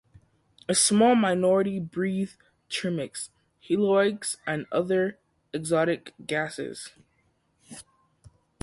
A small minority breathe trimix, heliox or other exotic gases.